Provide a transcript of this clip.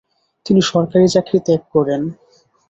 তিনি সরকারি চাকরি ত্যাগ করেন।